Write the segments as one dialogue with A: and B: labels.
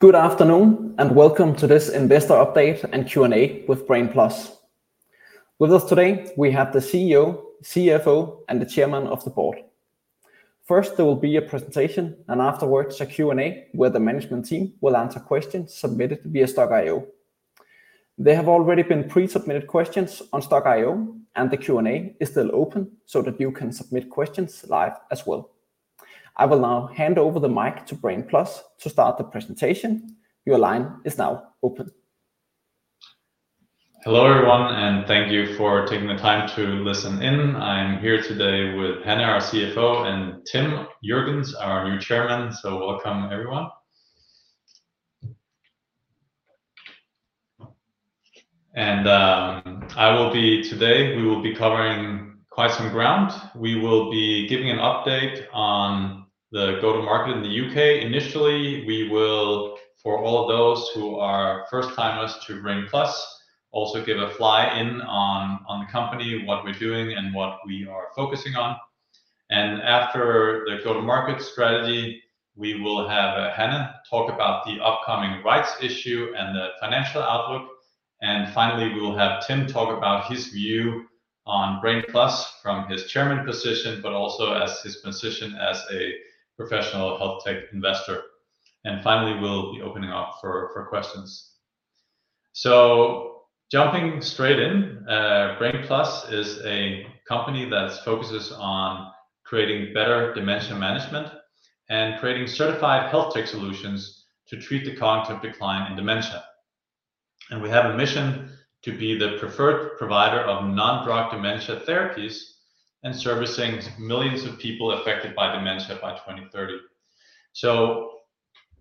A: Good afternoon, and welcome to this investor update and Q&A with Brain+. With us today, we have the CEO, CFO, and the chairman of the board. First, there will be a presentation, and afterwards, a Q&A, where the management team will answer questions submitted via Stokk.io. There have already been pre-submitted questions on Stokk.io, and the Q&A is still open, so that you can submit questions live as well. I will now hand over the mic to Brain+ to start the presentation. Your line is now open.
B: Hello, everyone, and thank you for taking the time to listen in. I'm here today with Hanne, our CFO, and Tim Jürgens, our new chairman, so welcome, everyone. And today, we will be covering quite some ground. We will be giving an update on the go-to-market in the UK. Initially, we will, for all of those who are first-timers to Brain+, also give a fly-in on the company, what we're doing, and what we are focusing on. And after the go-to-market strategy, we will have Hanne talk about the upcoming rights issue and the financial outlook. And finally, we will have Tim talk about his view on Brain+ from his chairman position, but also as his position as a professional health tech investor. And finally, we'll be opening up for questions. So jumping straight in, Brain+ is a company that focuses on creating better dementia management and creating certified health tech solutions to treat the cognitive decline in dementia. And we have a mission to be the preferred provider of non-drug dementia therapies and servicing millions of people affected by dementia by 2030. So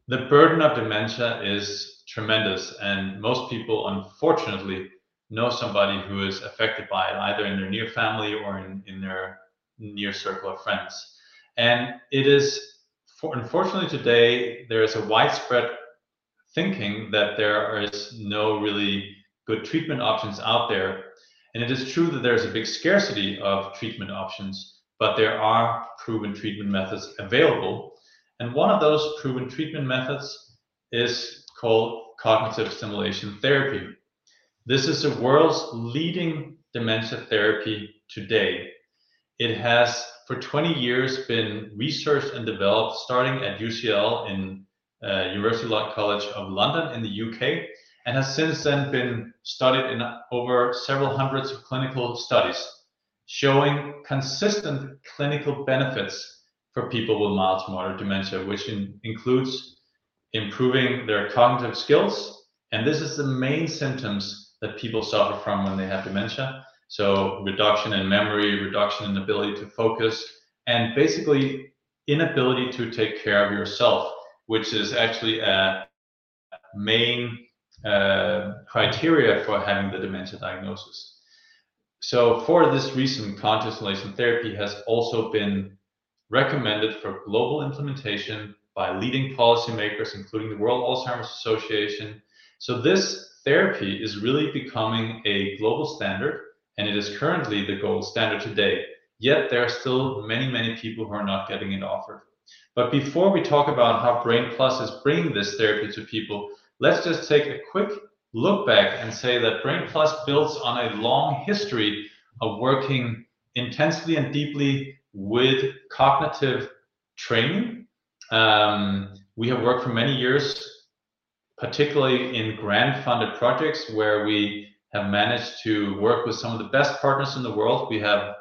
B: the burden of dementia is tremendous, and most people, unfortunately, know somebody who is affected by it, either in their near family or in their near circle of friends. And it is, unfortunately, today, there is a widespread thinking that there is no really good treatment options out there, and it is true that there's a big scarcity of treatment options, but there are proven treatment methods available, and one of those proven treatment methods is called Cognitive Stimulation Therapy. This is the world's leading dementia therapy today. It has, for 20 years, been researched and developed, starting at UCL, in University College London in the UK, and has since then been studied in over several hundred clinical studies, showing consistent clinical benefits for people with mild to moderate dementia, which includes improving their cognitive skills, and this is the main symptoms that people suffer from when they have dementia, so reduction in memory, reduction in ability to focus, and basically inability to take care of yourself, which is actually a main criteria for having the dementia diagnosis. So for this reason, Cognitive Stimulation Therapy has also been recommended for global implementation by leading policymakers, including the World Alzheimer’s Association. So this therapy is really becoming a global standard, and it is currently the gold standard today. Yet, there are still many, many people who are not getting it offered. But before we talk about how Brain+ is bringing this therapy to people, let's just take a quick look back and say that Brain+ builds on a long history of working intensely and deeply with cognitive training. We have worked for many years, particularly in grant-funded projects, where we have managed to work with some of the best partners in the world. We have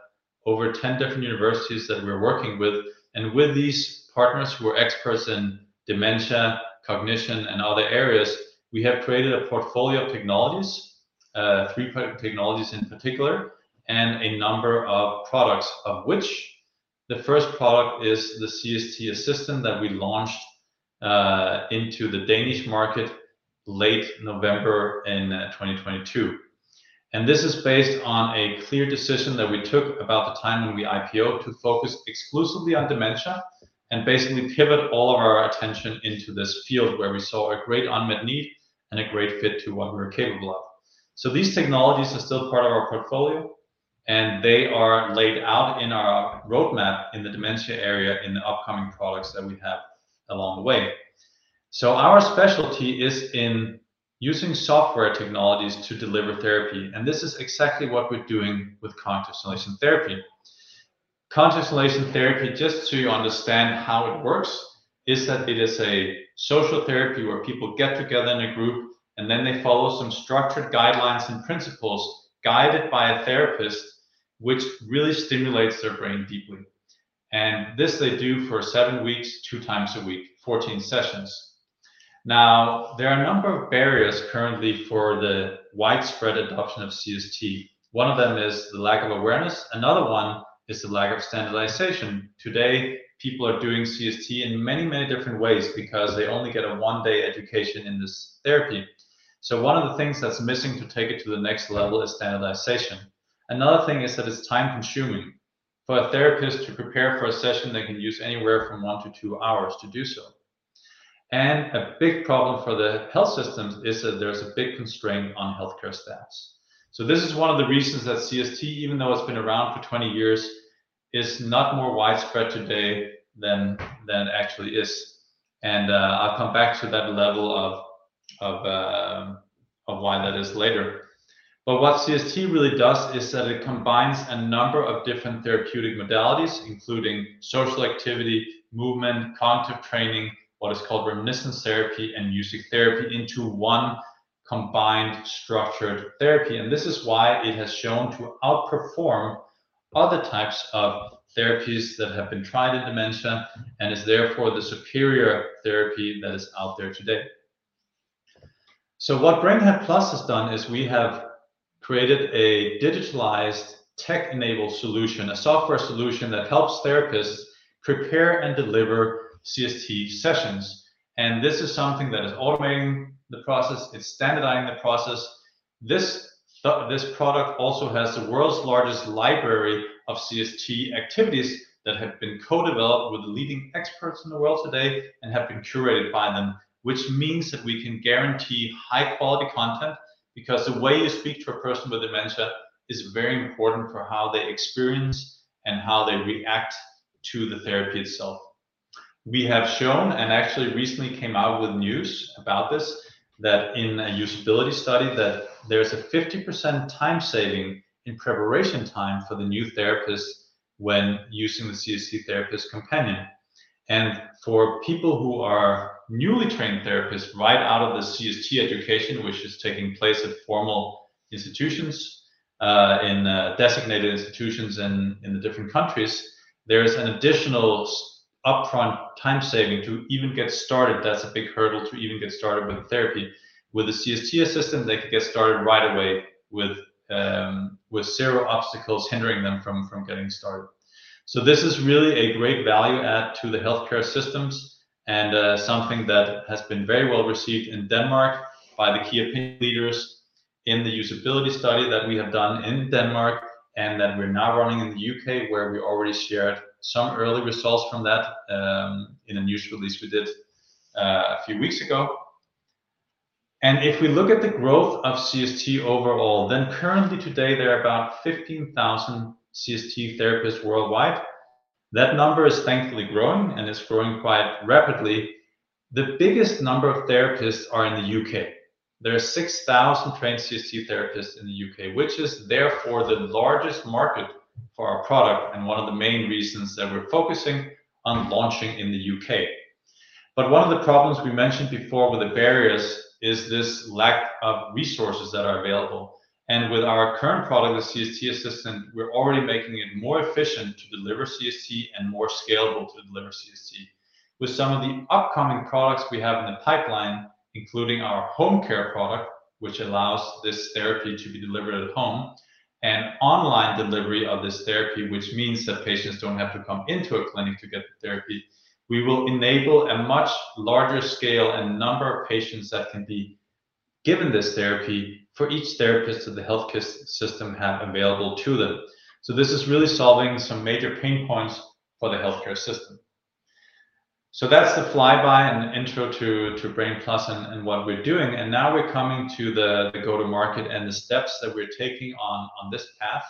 B: over 10 different universities that we're working with, and with these partners who are experts in dementia, cognition, and other areas, we have created a portfolio of technologies, three technologies in particular, and a number of products, of which the first product is the CST Assistant that we launched into the Danish market late November in 2022. And this is based on a clear decision that we took about the time when we IPOed to focus exclusively on dementia and basically pivot all of our attention into this field, where we saw a great unmet need and a great fit to what we were capable of. So these technologies are still part of our portfolio, and they are laid out in our roadmap in the dementia area in the upcoming products that we have along the way. So our specialty is in using software technologies to deliver therapy, and this is exactly what we're doing with cognitive stimulation therapy. Cognitive stimulation therapy, just so you understand how it works, is that it is a social therapy where people get together in a group, and then they follow some structured guidelines and principles, guided by a therapist, which really stimulates their brain deeply. And this they do for 7 weeks, 2 times a week, 14 sessions. Now, there are a number of barriers currently for the widespread adoption of CST. One of them is the lack of awareness. Another one is the lack of standardization. Today, people are doing CST in many, many different ways because they only get a 1-day education in this therapy. So one of the things that's missing to take it to the next level is standardization. Another thing is that it's time-consuming. For a therapist to prepare for a session, they can use anywhere from 1-2 hours to do so. And a big problem for the health systems is that there's a big constraint on healthcare staffs. So this is one of the reasons that CST, even though it's been around for 20 years, is not more widespread today than, than it actually is. And, I'll come back to that level of why that is later. But what CST really does is that it combines a number of different therapeutic modalities, including social activity, movement, cognitive training, what is called reminiscence therapy, and music therapy into one combined structured therapy. And this is why it has shown to outperform other types of therapies that have been tried in dementia, and is therefore the superior therapy that is out there today. So what Brain+ has done is we have created a digitalized, tech-enabled solution, a software solution that helps therapists prepare and deliver CST sessions. And this is something that is automating the process, it's standardizing the process. This product also has the world's largest library of CST activities that have been co-developed with the leading experts in the world today and have been curated by them, which means that we can guarantee high quality content, because the way you speak to a person with dementia is very important for how they experience and how they react to the therapy itself. We have shown, and actually recently came out with news about this, that in a usability study, there is a 50% time saving in preparation time for the new therapist when using the CST Therapist Companion. For people who are newly trained therapists right out of the CST education, which is taking place at formal institutions in designated institutions in the different countries, there is an additional upfront time saving to even get started. That's a big hurdle to even get started with therapy. With the CST Assistant, they can get started right away with zero obstacles hindering them from getting started. So this is really a great value add to the healthcare systems and something that has been very well received in Denmark by the key opinion leaders in the usability study that we have done in Denmark, and that we're now running in the UK, where we already shared some early results from that in a news release we did a few weeks ago. If we look at the growth of CST overall, then currently today, there are about 15,000 CST therapists worldwide. That number is thankfully growing, and it's growing quite rapidly. The biggest number of therapists are in the UK. There are 6,000 trained CST therapists in the U.K., which is therefore the largest market for our product and one of the main reasons that we're focusing on launching in the U.K. But one of the problems we mentioned before with the barriers is this lack of resources that are available, and with our current product, the CST Assistant, we're already making it more efficient to deliver CST and more scalable to deliver CST. With some of the upcoming products we have in the pipeline, including our home care product, which allows this therapy to be delivered at home, and online delivery of this therapy, which means that patients don't have to come into a clinic to get the therapy, we will enable a much larger scale and number of patients that can be given this therapy for each therapist that the healthcare system have available to them. So this is really solving some major pain points for the healthcare system. So that's the flyby and the intro to Brain+ and what we're doing. And now we're coming to the go-to-market and the steps that we're taking on this path,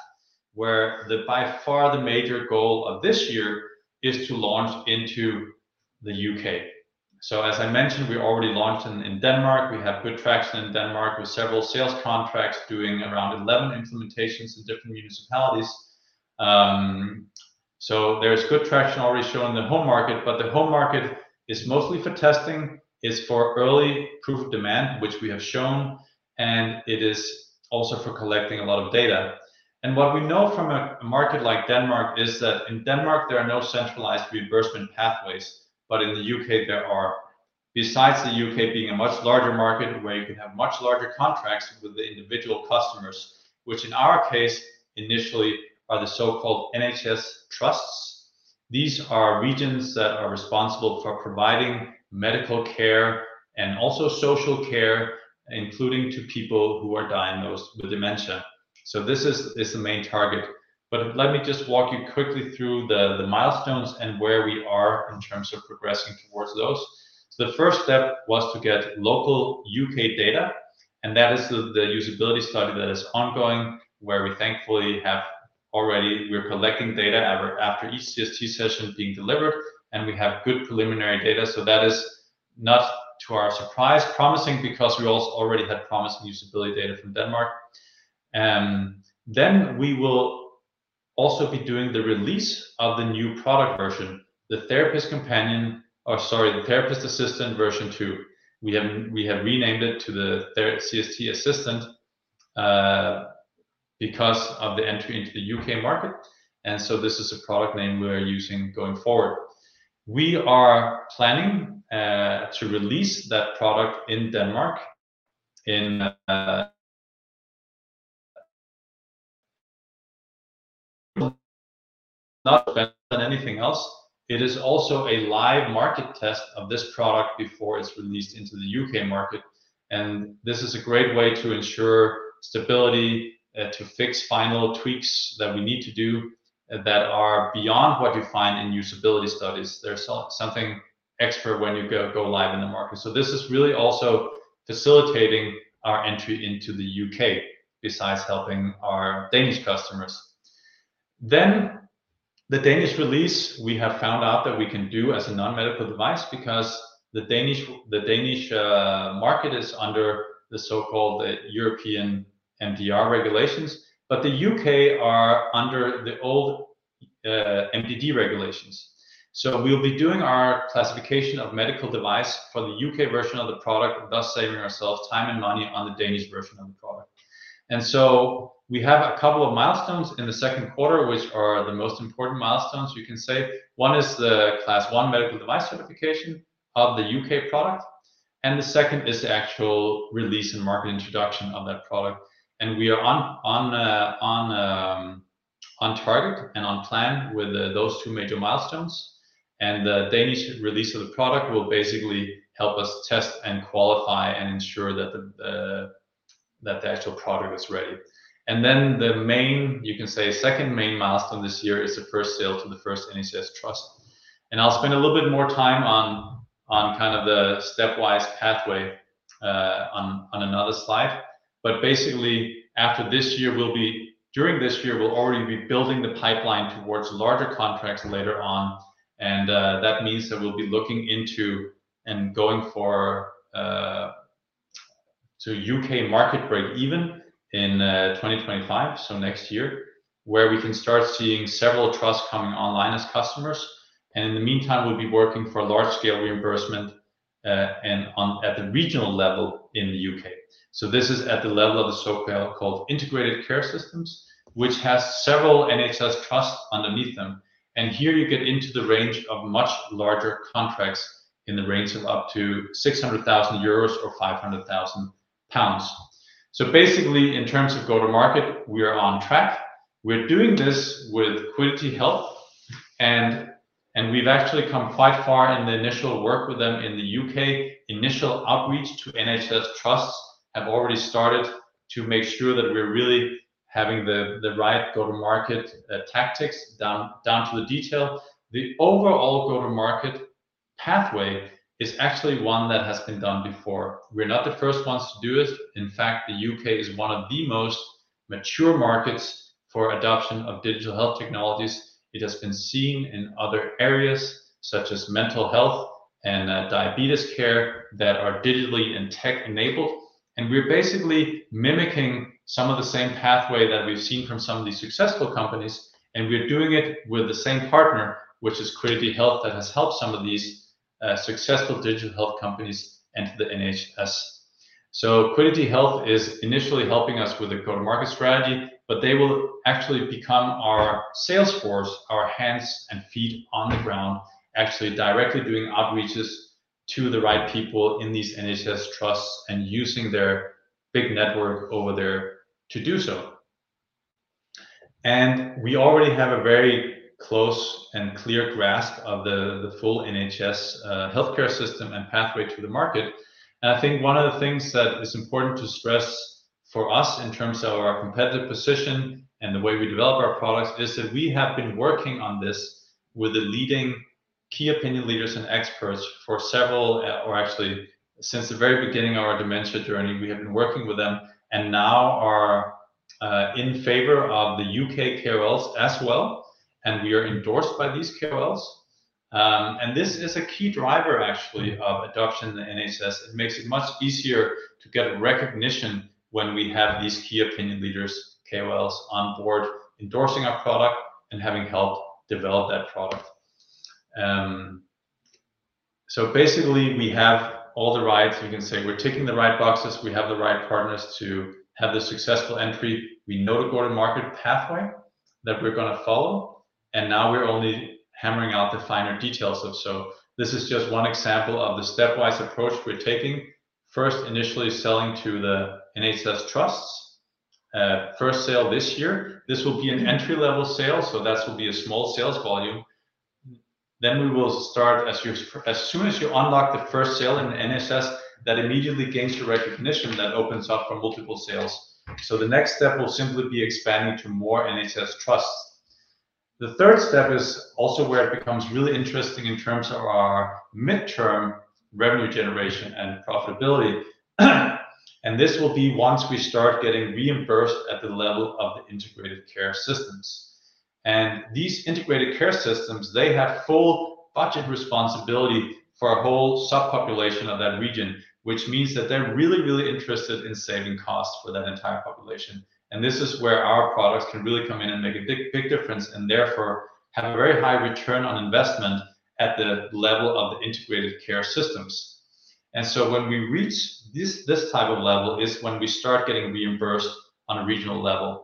B: where by far the major goal of this year is to launch into the UK. So as I mentioned, we already launched in Denmark. We have good traction in Denmark, with several sales contracts doing around 11 implementations in different municipalities. So there is good traction already shown in the home market, but the home market is mostly for testing, is for early proof of demand, which we have shown, and it is also for collecting a lot of data. What we know from a market like Denmark is that in Denmark, there are no centralized reimbursement pathways, but in the U.K. there are. Besides the U.K. being a much larger market, where you can have much larger contracts with the individual customers, which in our case, initially are the so-called NHS Trusts. These are regions that are responsible for providing medical care and also social care, including to people who are diagnosed with dementia. This is the main target. Let me just walk you quickly through the milestones and where we are in terms of progressing towards those. The first step was to get local U.K. data, and that is the usability study that is ongoing, where we thankfully have already, we're collecting data after each CST session being delivered, and we have good preliminary data. So that is not, to our surprise, promising because we already had promising usability data from Denmark. Then we will also be doing the release of the new product version, the CST Therapist Companion, or sorry, the CST Assistant Version 2. We have, we have renamed it to the CST Assistant, because of the entry into the UK market, and so this is the product name we are using going forward. We are planning to release that product in Denmark in not better than anything else. It is also a live market test of this product before it's released into the UK market, and this is a great way to ensure stability, to fix final tweaks that we need to do that are beyond what you find in usability studies. There's expert when you go live in the market. So this is really also facilitating our entry into the UK, besides helping our Danish customers. Then the Danish release, we have found out that we can do as a non-medical device because the Danish market is under the so-called European MDR regulations, but the UK are under the old MDD regulations. So we'll be doing our classification of medical device for the UK version of the product, thus saving ourselves time and money on the Danish version of the product. And so we have a couple of milestones in the second quarter, which are the most important milestones you can say. One is the Class I medical device certification of the UK product, and the second is the actual release and market introduction of that product. We are on target and on plan with those two major milestones. The Danish release of the product will basically help us test and qualify and ensure that the actual product is ready. Then the main, you can say, second main milestone this year is the first sale to the first NHS Trust. I'll spend a little bit more time on kind of the stepwise pathway on another slide. But basically, after this year, we'll be... During this year, we'll already be building the pipeline towards larger contracts later on, and that means that we'll be looking into and going for to UK market break-even in 2025, so next year, where we can start seeing several trusts coming online as customers. And in the meantime, we'll be working for large-scale reimbursement and on at the regional level in the UK. So this is at the level of the so-called Integrated Care Systems, which has several NHS trusts underneath them, and here you get into the range of much larger contracts in the range of up to 600,000 euros or 500,000 pounds. So basically, in terms of go-to-market, we are on track. We're doing this with Quiddity Health, and we've actually come quite far in the initial work with them in the UK. Initial outreach to NHS trusts have already started to make sure that we're really having the right go-to-market tactics down to the detail. The overall go-to-market pathway is actually one that has been done before. We're not the first ones to do it. In fact, the U.K. is one of the most mature markets for adoption of digital health technologies. It has been seen in other areas, such as mental health and, diabetes care, that are digitally and tech-enabled. We're basically mimicking some of the same pathway that we've seen from some of these successful companies, and we're doing it with the same partner, which is Quiddity Health, that has helped some of these, successful digital health companies enter the NHS. Quiddity Health is initially helping us with the go-to-market strategy, but they will actually become our sales force, our hands and feet on the ground, actually directly doing outreaches to the right people in these NHS trusts and using their big network over there to do so. We already have a very close and clear grasp of the full NHS healthcare system and pathway to the market. I think one of the things that is important to stress for us in terms of our competitive position and the way we develop our products is that we have been working on this with the leading key opinion leaders and experts for several, or actually, since the very beginning of our dementia journey, we have been working with them, and now are in favor of the U.K. KOLs as well, and we are endorsed by these KOLs. This is a key driver, actually, of adoption in the NHS. It makes it much easier to get recognition when we have these key opinion leaders, KOLs, on board endorsing our product and having helped develop that product. So basically, we have all the right, you can say we're ticking the right boxes. We have the right partners to have the successful entry. We know the go-to-market pathway that we're gonna follow, and now we're only hammering out the finer details of so. This is just one example of the stepwise approach we're taking. First, initially, selling to the NHS trusts. First sale this year, this will be an entry-level sale, so that will be a small sales volume. Then we will start as soon as you unlock the first sale in the NHS, that immediately gains you recognition. That opens up for multiple sales. So the next step will simply be expanding to more NHS trusts. The third step is also where it becomes really interesting in terms of our midterm revenue generation and profitability, and this will be once we start getting reimbursed at the level of the integrated care systems. And these integrated care systems, they have full budget responsibility for a whole subpopulation of that region, which means that they're really, really interested in saving costs for that entire population. And this is where our products can really come in and make a big, big difference, and therefore have a very high return on investment at the level of the integrated care systems. And so when we reach this, this type of level, is when we start getting reimbursed on a regional level.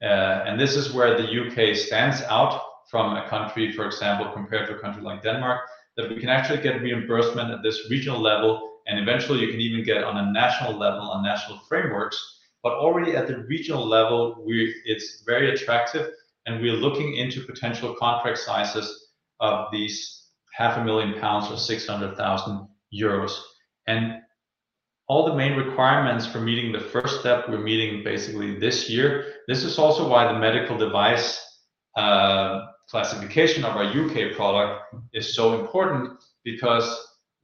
B: This is where the U.K. stands out from a country, for example, compared to a country like Denmark, that we can actually get reimbursement at this regional level, and eventually, you can even get it on a national level, on national frameworks. But already at the regional level, it's very attractive, and we're looking into potential contract sizes of these 500,000 pounds or 600,000 euros. All the main requirements for meeting the first step, we're meeting basically this year. This is also why the medical device classification of our U.K. product is so important, because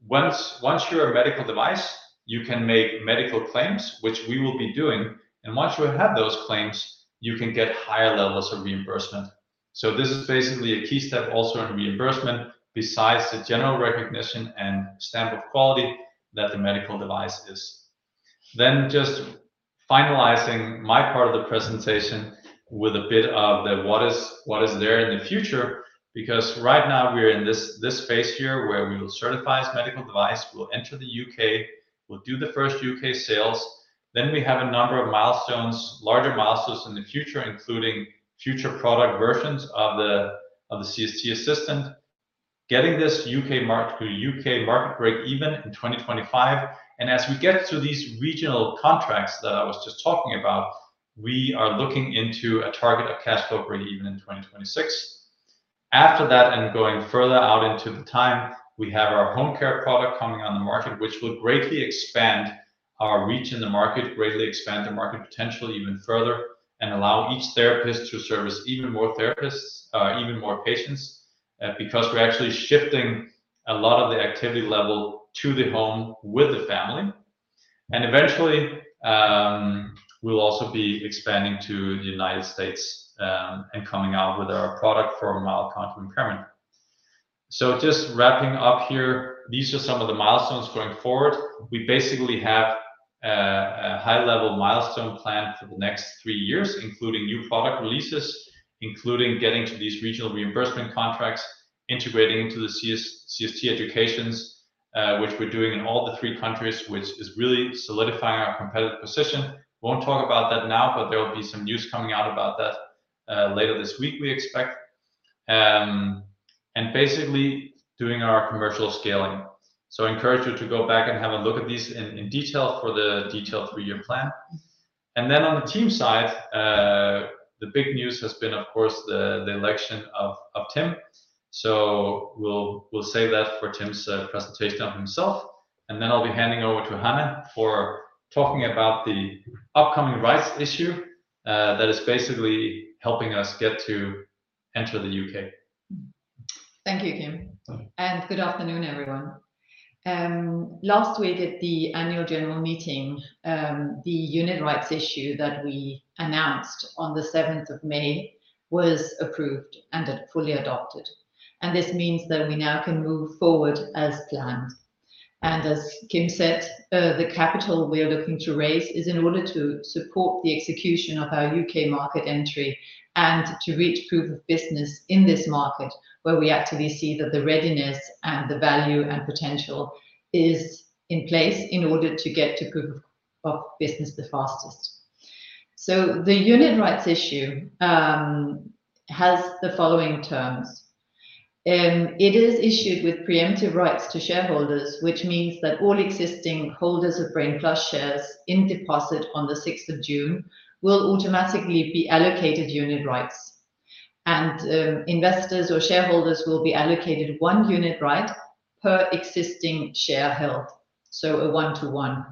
B: once you're a medical device, you can make medical claims, which we will be doing. And once you have those claims, you can get higher levels of reimbursement. So this is basically a key step also in reimbursement, besides the general recognition and stamp of quality that the medical device is. Then just finalizing my part of the presentation with a bit of the what is, what is there in the future, because right now we're in this, this phase here where we will certify as a medical device, we'll enter the UK, we'll do the first UK sales. Then we have a number of milestones, larger milestones in the future, including future product versions of the, of the CST Assistant, getting this UK market to UK market break even in 2025. And as we get through these regional contracts that I was just talking about, we are looking into a target of cash flow break even in 2026. After that, and going further out into the time, we have our home care product coming on the market, which will greatly expand our reach in the market, greatly expand the market potential even further, and allow each therapist to service even more therapists, even more patients, because we're actually shifting a lot of the activity level to the home with the family. And eventually, we'll also be expanding to the United States, and coming out with our product for mild cognitive impairment. So just wrapping up here, these are some of the milestones going forward. We basically have a high-level milestone plan for the next three years, including new product releases, including getting to these regional reimbursement contracts, integrating into the CST educations, which we're doing in all the three countries, which is really solidifying our competitive position. Won't talk about that now, but there will be some news coming out about that, later this week, we expect. And basically doing our commercial scaling. So I encourage you to go back and have a look at these in detail for the detailed three-year plan. And then on the team side, the big news has been, of course, the election of Tim. So we'll save that for Tim's presentation of himself, and then I'll be handing over to Hanne for talking about the upcoming rights issue, that is basically helping us get to enter the UK.
C: Thank you, Kim.
B: Sorry.
C: Good afternoon, everyone. Last week at the annual general meeting, the unit rights issue that we announced on the seventh of May was approved and fully adopted, and this means that we now can move forward as planned. As Kim said, the capital we are looking to raise is in order to support the execution of our UK market entry and to reach proof of business in this market, where we actually see that the readiness and the value and potential is in place in order to get to proof of business the fastest. The unit rights issue has the following terms. It is issued with preemptive rights to shareholders, which means that all existing holders of Brain+ shares in deposit on the sixth of June will automatically be allocated unit rights. Investors or shareholders will be allocated one unit right per existing share held, so a one-to-one.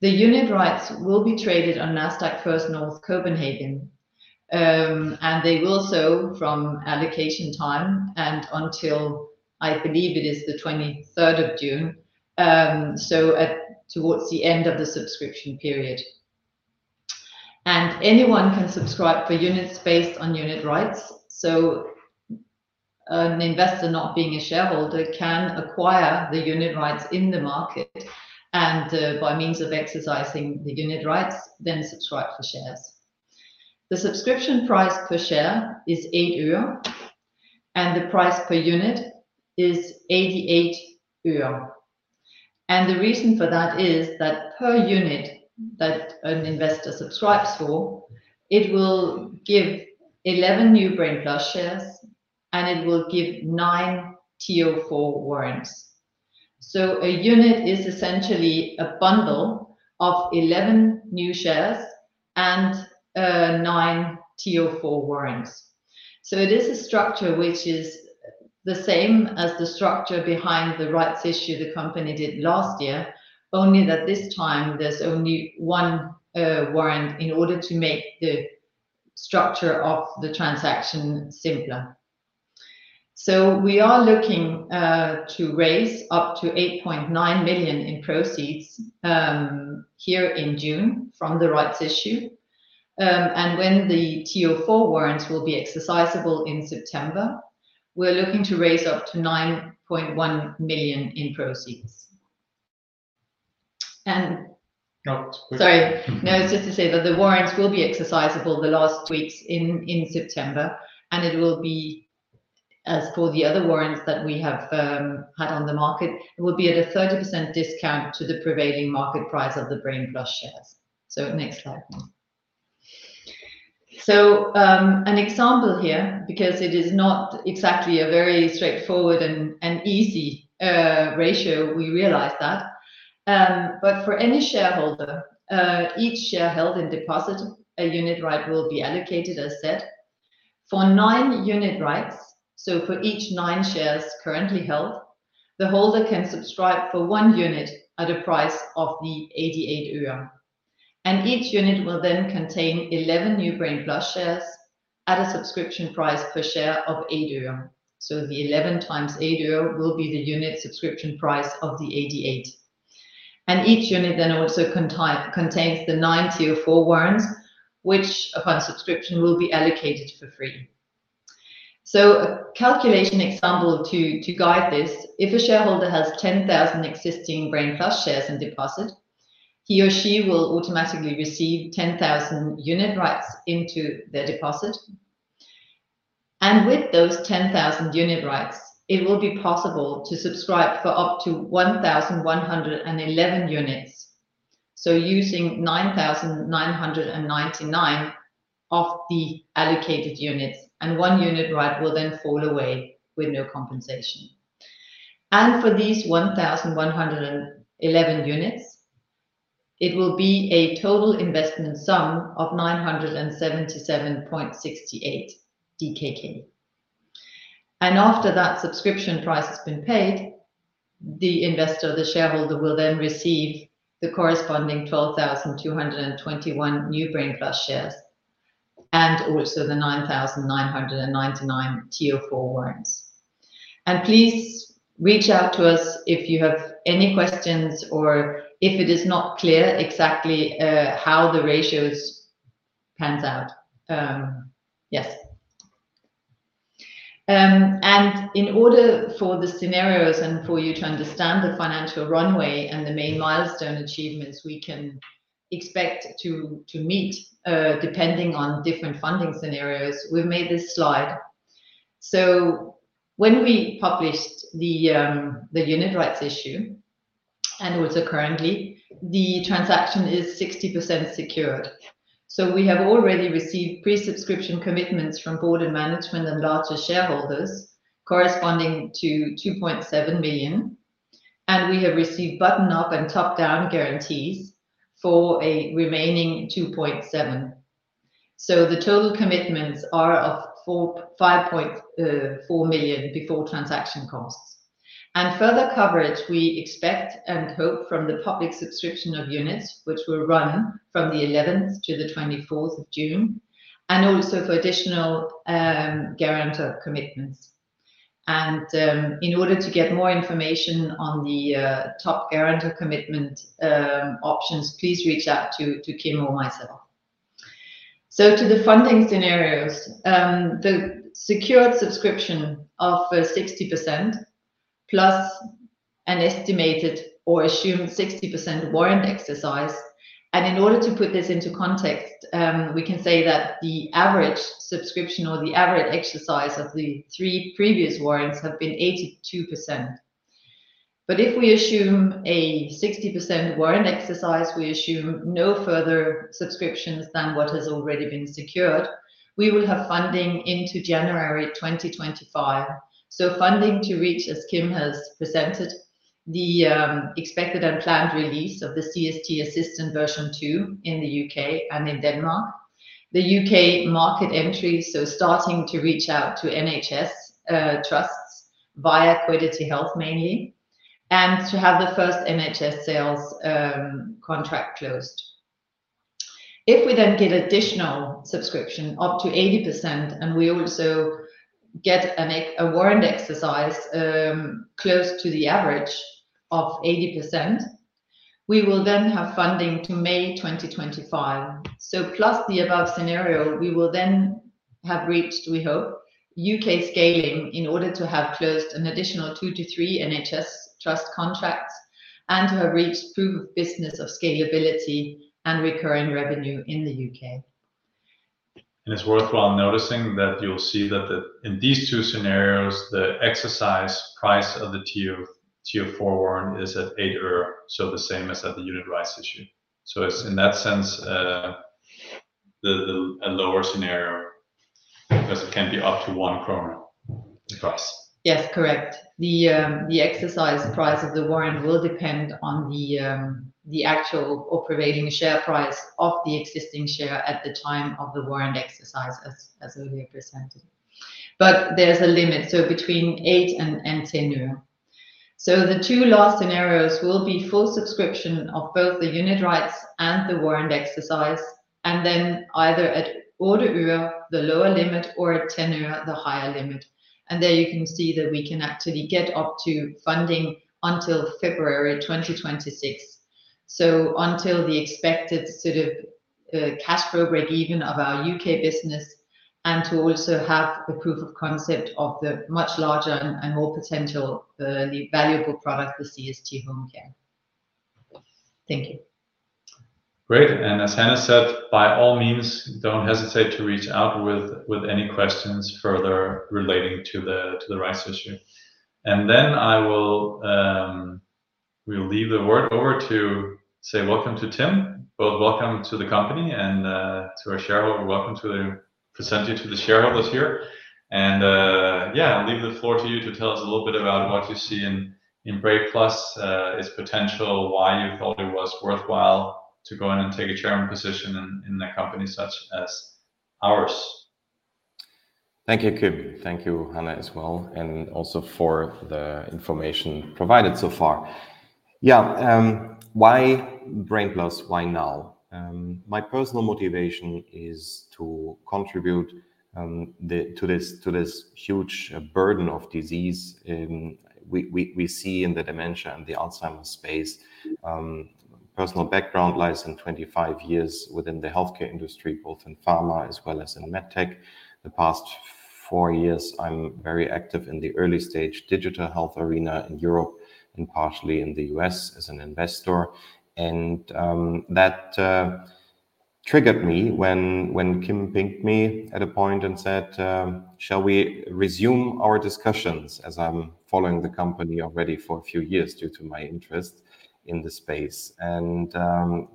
C: The unit rights will be traded on Nasdaq First North Copenhagen, and they will be sold from allocation time until, I believe, the twenty-third of June, so up to the end of the subscription period. Anyone can subscribe for units based on unit rights. An investor not being a shareholder can acquire the unit rights in the market, and by means of exercising the unit rights, then subscribe for shares. The subscription price per share is 8 euro, and the price per unit is 88 euro. The reason for that is that per unit that an investor subscribes for, it will give 11 new Brain+ shares, and it will give 9 TO4 warrants. So a unit is essentially a bundle of 11 new shares and nine TO4 warrants. So it is a structure which is the same as the structure behind the rights issue the company did last year, only that this time there's only one warrant in order to make the structure of the transaction simpler. So we are looking to raise up to 8.9 million in proceeds here in June from the rights issue. And when the TO4 warrants will be exercisable in September, we're looking to raise up to 9.1 million in proceeds. And-
B: Got...
C: Sorry. No, it's just to say that the warrants will be exercisable the last weeks in September, and it will be, as for the other warrants that we have had on the market, it will be at a 30% discount to the prevailing market price of the Brain+ shares. So next slide. So, an example here, because it is not exactly a very straightforward and easy ratio, we realize that. But for any shareholder, each share held in deposit, a unit right will be allocated, as said.... for 9 unit rights, so for each 9 shares currently held, the holder can subscribe for one unit at a price of the 88 euro. And each unit will then contain 11 new Brain+ shares at a subscription price per share of 8 euro. The 11 times 8 euro will be the unit subscription price of the 88. And each unit then also contains the 9 TO4 warrants, which upon subscription, will be allocated for free. A calculation example to guide this, if a shareholder has 10,000 existing Brain+ shares in deposit, he or she will automatically receive 10,000 unit rights into their deposit. And with those 10,000 unit rights, it will be possible to subscribe for up to 1,111 units. Using 9,999 of the allocated units, and one unit right will then fall away with no compensation. And for these 1,111 units, it will be a total investment sum of 977.68 DKK. And after that subscription price has been paid, the investor, the shareholder, will then receive the corresponding 12,221 new Brain+ shares, and also the 9,999 TO4 warrants. Please reach out to us if you have any questions or if it is not clear exactly how the ratios pan out. In order for the scenarios and for you to understand the financial runway and the main milestone achievements we can expect to meet, depending on different funding scenarios, we've made this slide. So when we published the unit rights issue, and also currently, the transaction is 60% secured. So we have already received pre-subscription commitments from board and management and larger shareholders corresponding to 2.7 million, and we have received bottom-up and top-down guarantees for a remaining 2.7 million. So the total commitments are of 5.4 million before transaction costs. And further coverage we expect and hope from the public subscription of units, which will run from the eleventh to the twenty-fourth of June, and also for additional guarantor commitments. And, in order to get more information on the top-up guarantor commitment options, please reach out to Kim or myself. So to the funding scenarios, the secured subscription of 60%, plus an estimated or assumed 60% warrant exercise. In order to put this into context, we can say that the average subscription or the average exercise of the three previous warrants have been 82%. But if we assume a 60% warrant exercise, we assume no further subscriptions than what has already been secured, we will have funding into January 2025. So funding to reach, as Kim has presented, the expected and planned release of the CST Assistant Version 2 in the UK and in Denmark. The UK market entry, so starting to reach out to NHS trusts via Quiddity Health, mainly, and to have the first NHS sales contract closed. If we then get additional subscription up to 80%, and we also get a warrant exercise close to the average of 80%, we will then have funding to May 2025. So plus the above scenario, we will then have reached, we hope, UK scaling in order to have closed an additional 2-3 NHS Trust contracts and have reached proof of business of scalability and recurring revenue in the UK.
B: It's worthwhile noticing that you'll see that the... in these two scenarios, the exercise price of the TO4 warrant is at 8, so the same as at the unit rights issue. So it's in that sense, the lower scenario, because it can be up to 1 price.
C: Yes, correct. The, the exercise price of the warrant will depend on the, the actual or prevailing share price of the existing share at the time of the warrant exercise, as earlier presented. But there's a limit, so between 8 and 10 euro. So the 2 last scenarios will be full subscription of both the unit rights and the warrant exercise, and then either at 8 EUR, the lower limit, or at 10 EUR, the higher limit. And there you can see that we can actually get up to funding until February 2026. So until the expected sort of cash flow break-even of our UK business and to also have a proof of concept of the much larger and more potential, the valuable product, the CST HomeCare. Thank you.
B: Great. And as Hanne said, by all means, don't hesitate to reach out with any questions further relating to the rights issue. And then I will leave the word over to say welcome to Tim, both welcome to the company and to our shareholder, welcome to the presenting to the shareholders here. And yeah, I'll leave the floor to you to tell us a little bit about what you see in Brain+, its potential, why you thought it was worthwhile to go in and take a chairman position in a company such as ours.
D: Thank you, Kim. Thank you, Hanne, as well, and also for the information provided so far. Yeah, why Brain+? Why now? My personal motivation is to contribute to this huge burden of disease we see in the dementia and the Alzheimer's space. Personal background lies in 25 years within the healthcare industry, both in pharma as well as in med tech. The past 4 years, I'm very active in the early-stage digital health arena in Europe and partially in the U.S. as an investor. And, that triggered me when Kim pinged me at a point and said, "shall we resume our discussions?" As I'm following the company already for a few years due to my interest in this space. And,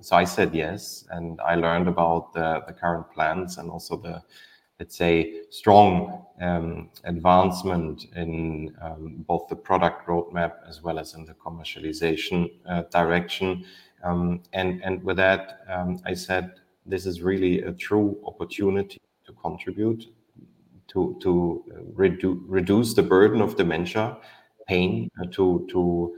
D: so I said yes, and I learned about the current plans and also the, let's say, strong advancement in both the product roadmap as well as in the commercialization direction. And with that, I said, "This is really a true opportunity to contribute, to reduce the burden of dementia pain to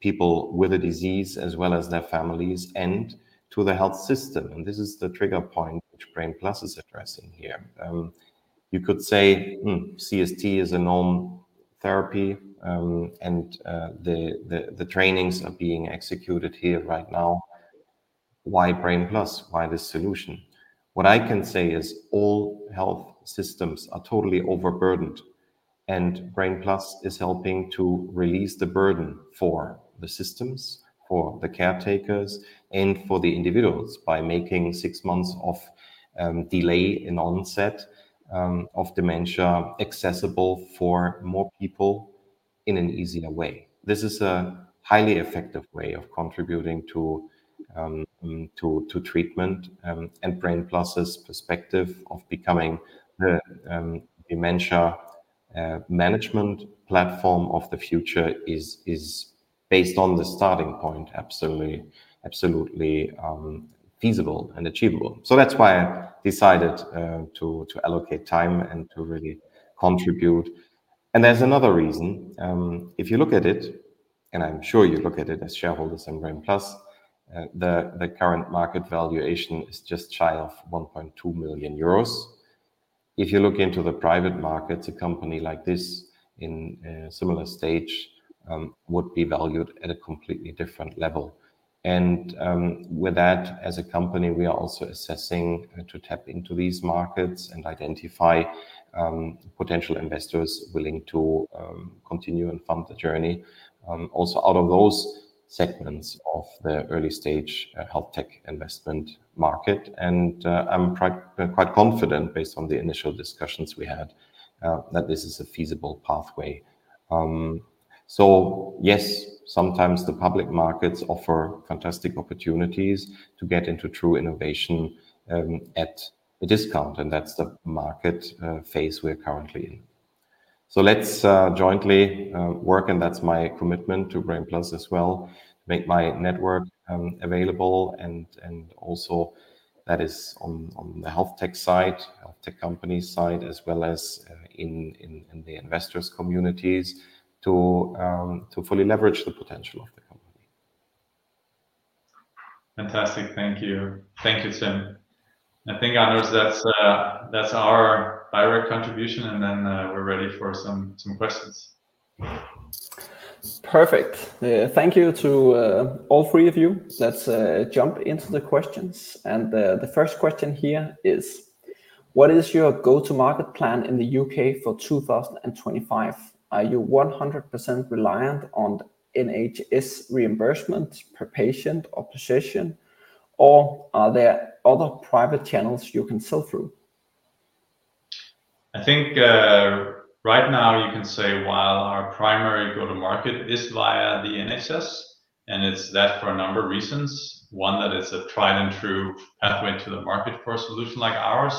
D: people with the disease as well as their families and to the health system," and this is the trigger point which Brain+ is addressing here. You could say, "Hmm, CST is a known therapy, and the trainings are being executed here right now. Why Brain+? Why this solution?" What I can say is all health systems are totally overburdened, and Brain+ is helping to release the burden for the systems, for the caretakers, and for the individuals by making six months of delay in onset of dementia accessible for more people in an easier way. This is a highly effective way of contributing to treatment, and Brain+'s perspective of becoming the dementia management platform of the future is based on the starting point, absolutely, absolutely, feasible and achievable. So that's why I decided to allocate time and to really contribute. And there's another reason. If you look at it, and I'm sure you look at it as shareholders in Brain+, the current market valuation is just shy of 1.2 million euros. If you look into the private markets, a company like this in a similar stage would be valued at a completely different level. With that, as a company, we are also assessing to tap into these markets and identify potential investors willing to continue and fund the journey also out of those segments of the early-stage health tech investment market. I'm quite, quite confident, based on the initial discussions we had, that this is a feasible pathway. Yes, sometimes the public markets offer fantastic opportunities to get into true innovation at a discount, and that's the market phase we're currently in. Let's jointly work, and that's my commitment to Brain+ as well. Make my network available, and also that is on the health tech side, health tech company side, as well as in the investors' communities, to fully leverage the potential of the company.
B: Fantastic. Thank you. Thank you, Tim. I think, Anders, that's our direct contribution, and then, we're ready for some questions.
A: Perfect. Thank you to all three of you. Let's jump into the questions, and the first question here is: What is your go-to-market plan in the UK for 2025? Are you 100% reliant on NHS reimbursement per patient or position, or are there other private channels you can sell through?
B: I think, right now you can say while our primary go-to-market is via the NHS, and it's that for a number of reasons, one, that it's a tried-and-true pathway to the market for a solution like ours.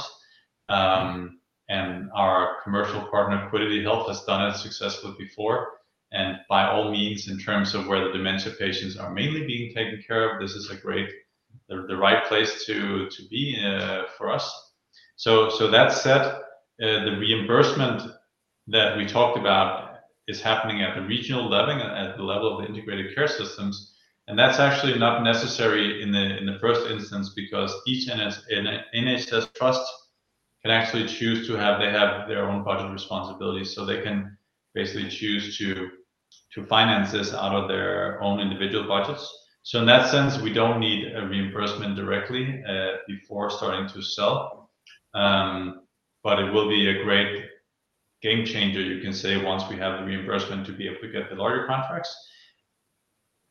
B: And our commercial partner, Quiddity Health, has done it successfully before, and by all means, in terms of where the dementia patients are mainly being taken care of, this is a great, the right place to be for us. So that said, the reimbursement that we talked about is happening at the regional level, at the level of Integrated Care Systems, and that's actually not necessary in the first instance, because each NHS trust can actually choose to have. They have their own budget responsibilities, so they can basically choose to finance this out of their own individual budgets. So in that sense, we don't need a reimbursement directly before starting to sell. But it will be a great game changer, you can say, once we have the reimbursement to be able to get the larger contracts.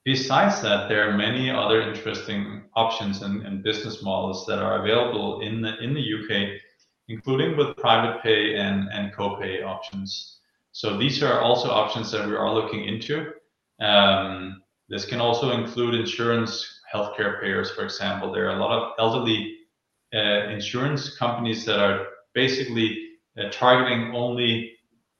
B: Besides that, there are many other interesting options and business models that are available in the UK, including with private pay and co-pay options. So these are also options that we are looking into. This can also include insurance, healthcare payers, for example. There are a lot of elderly insurance companies that are basically targeting only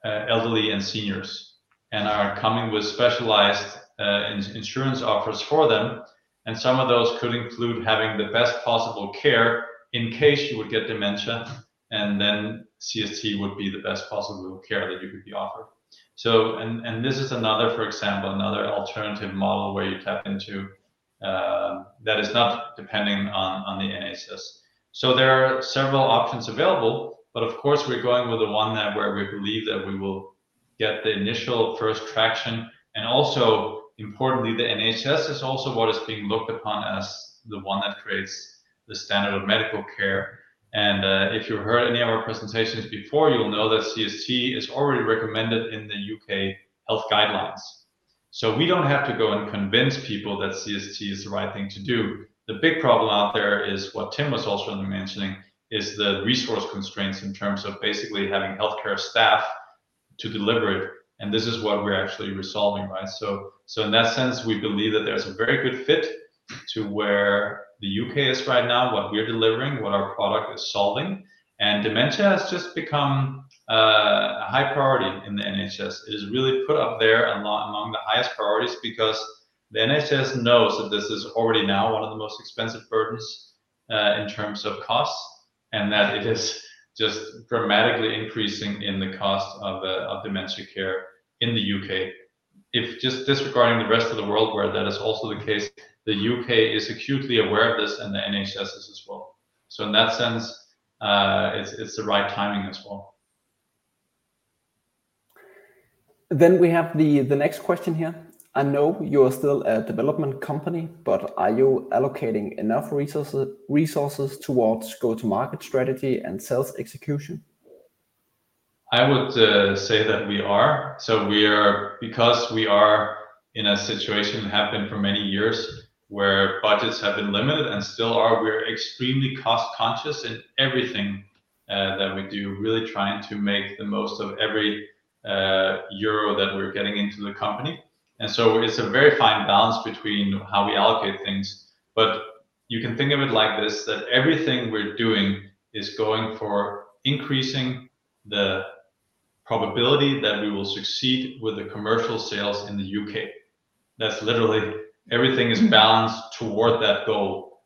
B: elderly and seniors, and are coming with specialized insurance offers for them, and some of those could include having the best possible care in case you would get dementia, and then CST would be the best possible care that you could be offered. So, and, and this is another, for example, another alternative model where you tap into, that is not depending on, on the NHS. So there are several options available, but of course, we're going with the one that where we believe that we will get the initial first traction. And also, importantly, the NHS is also what is being looked upon as the one that creates the standard of medical care. And, if you've heard any of our presentations before, you'll know that CST is already recommended in the UK health guidelines. So we don't have to go and convince people that CST is the right thing to do. The big problem out there is, what Tim was also mentioning, is the resource constraints in terms of basically having healthcare staff to deliver it, and this is what we're actually resolving, right? So, so in that sense, we believe that there's a very good fit to where the UK is right now, what we're delivering, what our product is solving. And dementia has just become a high priority in the NHS. It is really put up there among the highest priorities because the NHS knows that this is already now one of the most expensive burdens in terms of costs, and that it is just dramatically increasing in the cost of dementia care in the UK. If just disregarding the rest of the world where that is also the case, the UK is acutely aware of this, and the NHS is as well. So in that sense, it's the right timing as well.
A: Then we have the next question here: I know you are still a development company, but are you allocating enough resources towards go-to-market strategy and sales execution?
B: I would say that we are. Because we are in a situation, and have been for many years, where budgets have been limited and still are, we're extremely cost-conscious in everything that we do, really trying to make the most of every euro that we're getting into the company. And so it's a very fine balance between how we allocate things, but you can think of it like this, that everything we're doing is going for increasing the probability that we will succeed with the commercial sales in the UK. That's literally everything is balanced toward that goal,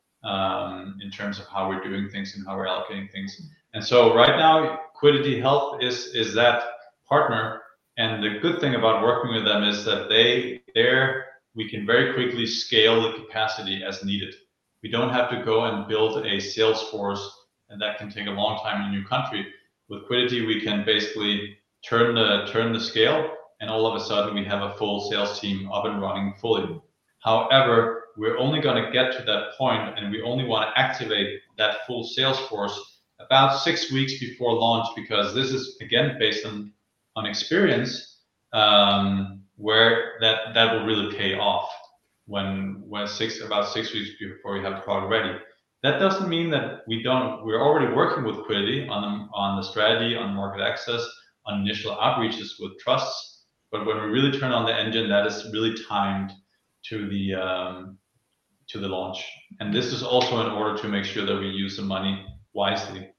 B: in terms of how we're doing things and how we're allocating things. And so right now, Quiddity Health is that partner, and the good thing about working with them is that they, there, we can very quickly scale the capacity as needed. We don't have to go and build a sales force, and that can take a long time in a new country. With Quiddity, we can basically turn the, turn the scale, and all of a sudden, we have a full sales team up and running fully. However, we're only gonna get to that point, and we only want to activate that full sales force about six weeks before launch, because this is, again, based on, on experience, where that, that will really pay off when, when six- about six weeks be- before we have the product ready. That doesn't mean that we don't... We're already working with Quiddity on the, on the strategy, on market access, on initial outreaches with trusts, but when we really turn on the engine, that is really timed to the, to the launch. This is also in order to make sure that we use the money wisely.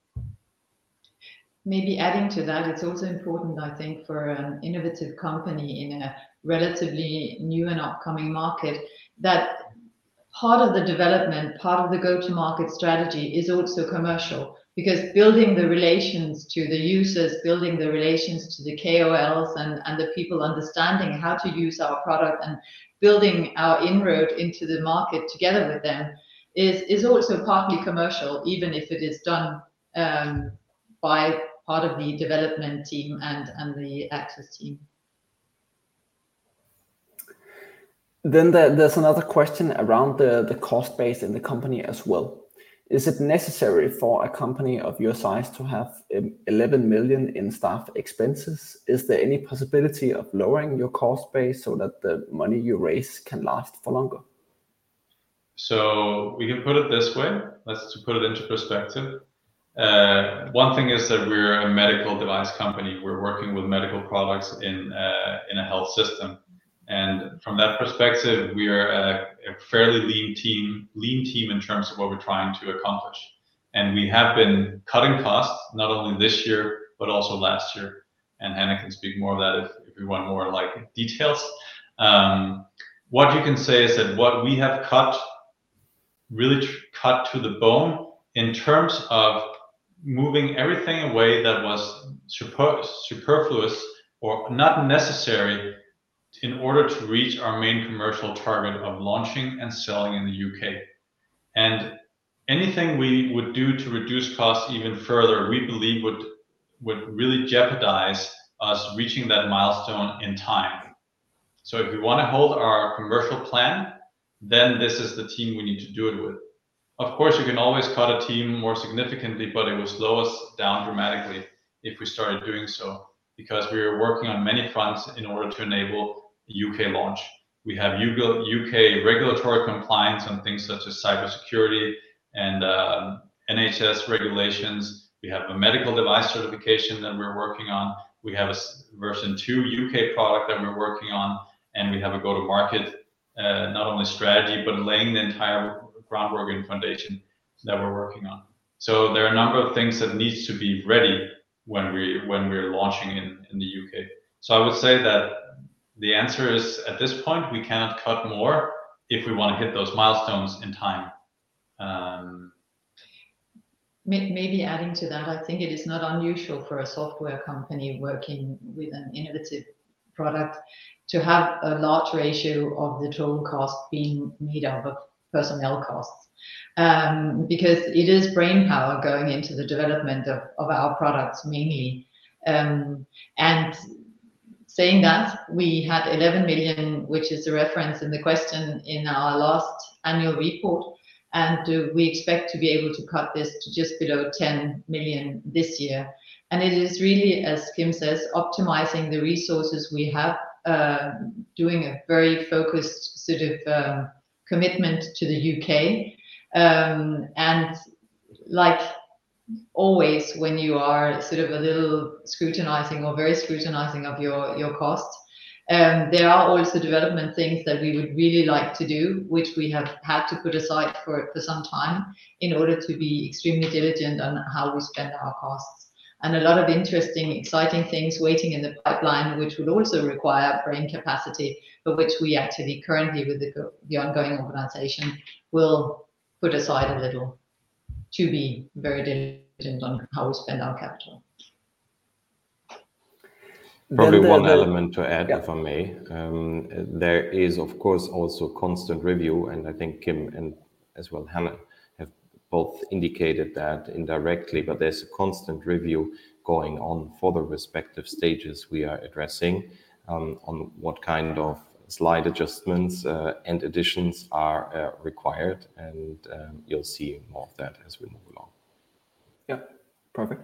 C: Maybe adding to that, it's also important, I think, for an innovative company in a relatively new and upcoming market, that part of the development, part of the go-to-market strategy is also commercial. Because building the relations to the users, building the relations to the KOLs and the people understanding how to use our product, and building our inroad into the market together with them is also partly commercial, even if it is done by part of the development team and the access team.
A: Then there's another question around the cost base in the company as well. Is it necessary for a company of your size to have 11 million in staff expenses? Is there any possibility of lowering your cost base so that the money you raise can last longer?
B: So we can put it this way, let's put it into perspective. One thing is that we're a medical device company. We're working with medical products in a health system, and from that perspective, we are a fairly lean team in terms of what we're trying to accomplish. And we have been cutting costs, not only this year, but also last year, and Hanne can speak more of that if you want more, like, details. What you can say is that what we have cut, really cut to the bone in terms of moving everything away that was superfluous or not necessary, in order to reach our main commercial target of launching and selling in the UK. And anything we would do to reduce costs even further, we believe would really jeopardize us reaching that milestone in time. So if we wanna hold our commercial plan, then this is the team we need to do it with. Of course, you can always cut a team more significantly, but it would slow us down dramatically if we started doing so, because we are working on many fronts in order to enable the UK launch. We have UK regulatory compliance on things such as cybersecurity and NHS regulations. We have a medical device certification that we're working on. We have a version two UK product that we're working on, and we have a go-to-market not only strategy, but laying the entire groundwork and foundation that we're working on. So there are a number of things that needs to be ready when we're launching in the UK. So I would say that the answer is, at this point, we cannot cut more if we wanna hit those milestones in time.
C: Maybe adding to that, I think it is not unusual for a software company working with an innovative product to have a large ratio of the total cost being made up of personnel costs. Because it is brainpower going into the development of our products, mainly. And saying that, we had 11 million, which is the reference in the question, in our last annual report, and we expect to be able to cut this to just below 10 million this year. And it is really, as Kim says, optimizing the resources we have, doing a very focused sort of commitment to the UK. And like always, when you are sort of a little scrutinizing or very scrutinizing of your, your costs, there are always the development things that we would really like to do, which we have had to put aside for, for some time in order to be extremely diligent on how we spend our costs. A lot of interesting, exciting things waiting in the pipeline, which would also require brain capacity, but which we actually currently, with the ongoing optimization, will put aside a little to be very diligent on how we spend our capital.
D: Probably one element to add from me. There is, of course, also constant review, and I think Kim and as well Hanne have both indicated that indirectly, but there's a constant review going on for the respective stages we are addressing, on what kind of slight adjustments and additions are required, and you'll see more of that as we move along.
A: Yeah. Perfect.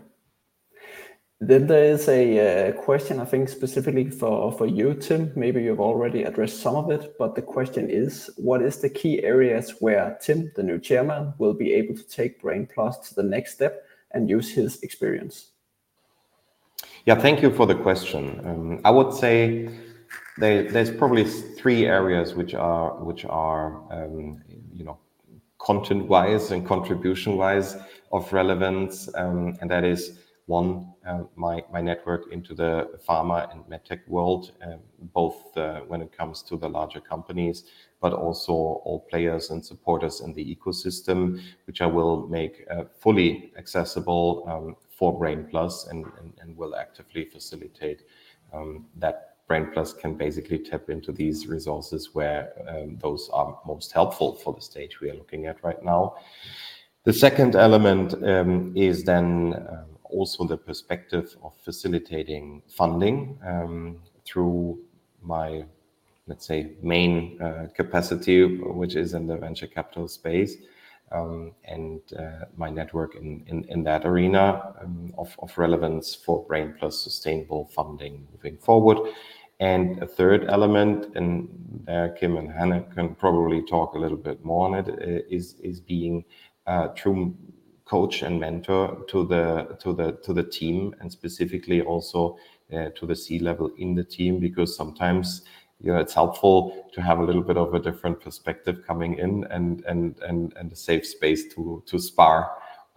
A: Then there is a question, I think, specifically for, for you, Tim. Maybe you've already addressed some of it, but the question is: What is the key areas where Tim, the new chairman, will be able to take Brain+ to the next step and use his experience?
D: Yeah, thank you for the question. I would say there, there's probably three areas which are, you know, content-wise and contribution-wise of relevance. And that is, one, my network into the pharma and medtech world, both, when it comes to the larger companies, but also all players and supporters in the ecosystem, which I will make fully accessible for Brain+ and will actively facilitate that Brain+ can basically tap into these resources where those are most helpful for the stage we are looking at right now. The second element is then also the perspective of facilitating funding through my, let's say, main capacity, which is in the venture capital space, and my network in that arena of relevance for Brain+ sustainable funding moving forward. And a third element, and Kim and Hanne can probably talk a little bit more on it, is being a true coach and mentor to the team, and specifically also to the C-level in the team, because sometimes, you know, it's helpful to have a little bit of a different perspective coming in and a safe space to spar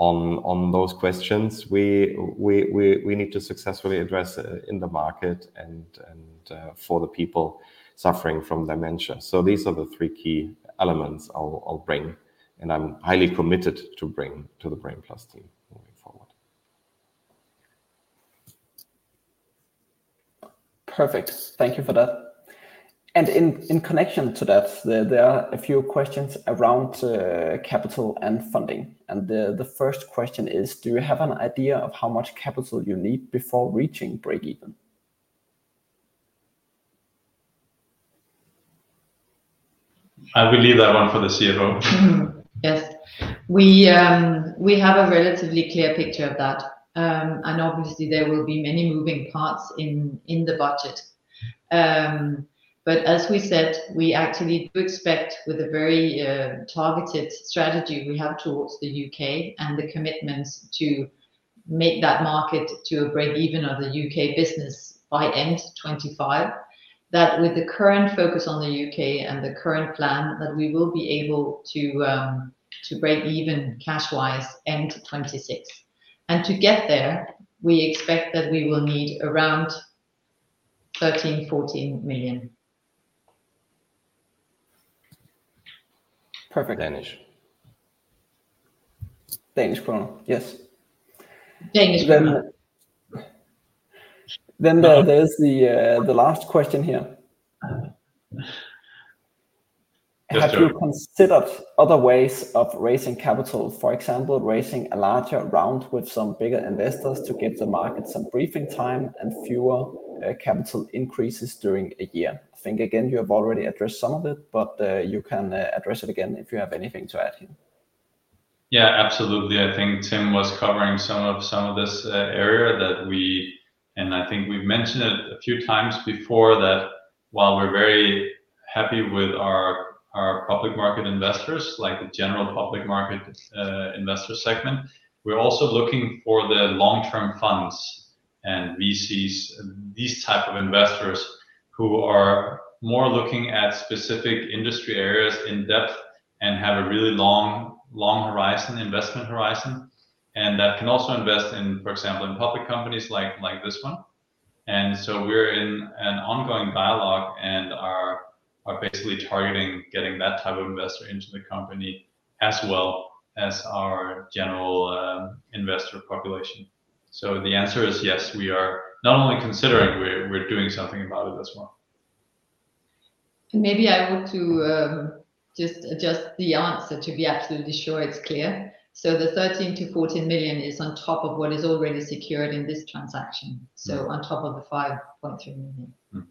D: on those questions we need to successfully address in the market and for the people suffering from dementia. These are the three key elements I'll, I'll bring, and I'm highly committed to bring to the Brain+ team moving forward.
A: Perfect. Thank you for that. In connection to that, there are a few questions around capital and funding. The first question is: Do you have an idea of how much capital you need before reaching breakeven?
B: I will leave that one for the CFO.
C: Yes. We have a relatively clear picture of that. And obviously, there will be many moving parts in the budget. But as we said, we actually do expect, with the very targeted strategy we have towards the UK and the commitments to make that market to a breakeven of the UK business by end 2025, that with the current focus on the UK and the current plan, that we will be able to breakeven cash-wise end 2026. And to get there, we expect that we will need around 13-14 million.
A: Perfect.
D: Danish.
A: Danish kroner, yes.
C: Danish kroner.
A: Then there is the last question here:
B: Yes, sir.
A: Have you considered other ways of raising capital? For example, raising a larger round with some bigger investors to give the market some breathing time and fewer, capital increases during a year. I think, again, you have already addressed some of it, but, you can, address it again if you have anything to add here.
B: Yeah, absolutely. I think Tim was covering some of this area that we. And I think we've mentioned it a few times before, that while we're very happy with our public market investors, like the general public market investor segment, we're also looking for the long-term funds and VCs, these type of investors who are more looking at specific industry areas in depth and have a really long, long horizon, investment horizon, and that can also invest in, for example, in public companies like this one. And so we're in an ongoing dialogue and are basically targeting getting that type of investor into the company, as well as our general investor population. So the answer is yes, we are not only considering, we're doing something about it as well.
C: Maybe I want to just adjust the answer to be absolutely sure it's clear. So the 13 million-14 million is on top of what is already secured in this transaction, so on top of the 5.3 million.
B: Mm.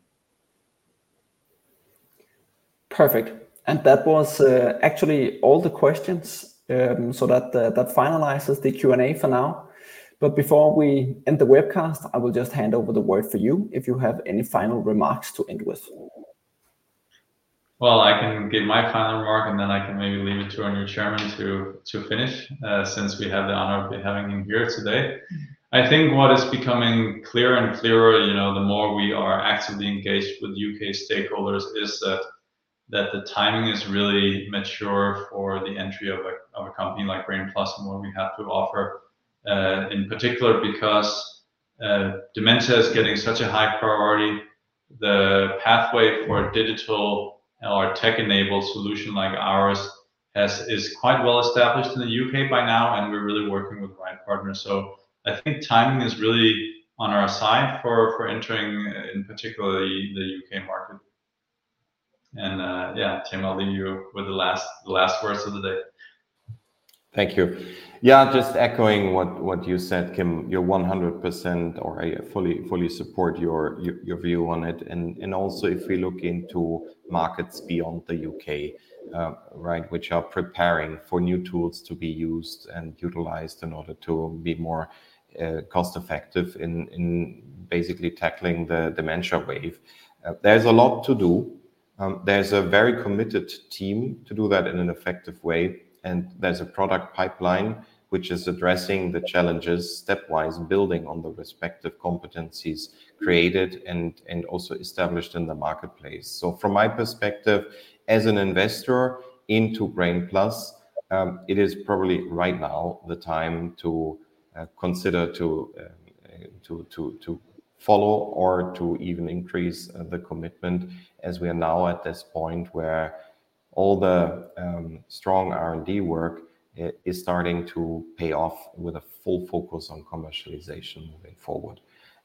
A: Perfect. And that was actually all the questions. So that finalizes the Q&A for now. But before we end the webcast, I will just hand over the word for you, if you have any final remarks to end with.
B: Well, I can give my final remark, and then I can maybe leave it to our new chairman to finish, since we have the honor of having him here today. I think what is becoming clearer and clearer, you know, the more we are actively engaged with UK stakeholders, is that the timing is really mature for the entry of a company like Brain+ and what we have to offer. In particular because dementia is getting such a high priority, the pathway for a digital or a tech-enabled solution like ours is quite well established in the UK by now, and we're really working with the right partners. So I think timing is really on our side for entering, in particularly the UK market. And, yeah, Tim, I'll leave you with the last words of the day.
D: Thank you. Yeah, just echoing what you said, Kim. You're 100%, or I fully support your view on it. And also, if we look into markets beyond the UK, right, which are preparing for new tools to be used and utilized in order to be more cost-effective in basically tackling the dementia wave, there's a lot to do. There's a very committed team to do that in an effective way, and there's a product pipeline which is addressing the challenges stepwise, building on the respective competencies created and also established in the marketplace. So from my perspective as an investor into Brain+, it is probably right now the time to consider to follow or to even increase the commitment, as we are now at this point where all the strong R&D work is starting to pay off with a full focus on commercialization moving forward.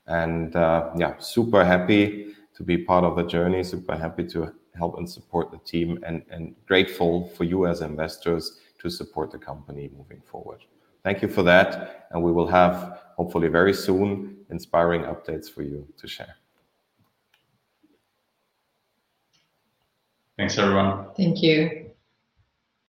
D: And, yeah, super happy to be part of the journey. Super happy to help and support the team and grateful for you as investors to support the company moving forward. Thank you for that, and we will have, hopefully very soon, inspiring updates for you to share.
B: Thanks, everyone.
C: Thank you.